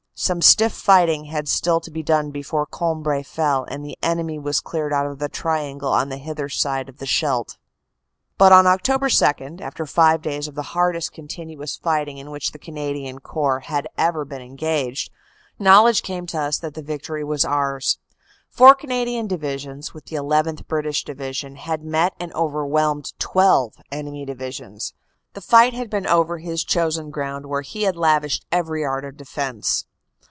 Some stiff fighting had still to be done before Cambrai fell and the enemy was cleared out of the triangle on the hither side of the Scheldt. But on Oct. 2, after five days of the hardest continuous fighting in which the Canadian Corps had been ever engaged, knowledge came to us that the victory was ours. Four Cana dian Divisions, with the llth. British Division, had met and overwhelmed twelve enemy divisions. The fight had been over his chosen ground where he had lavished every art of defense.